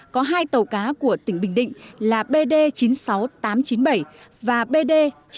có hai tàu cá của tỉnh bình định là bd chín mươi sáu nghìn tám trăm chín mươi bảy và bd chín mươi năm nghìn tám trăm năm mươi